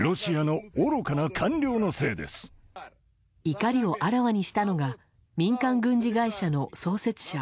怒りをあらわにしたのが民間軍事会社の創設者